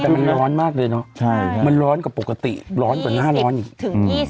แต่มันร้อนมากเลยเนอะมันร้อนกว่าปกติร้อนกว่าหน้าร้อนอีก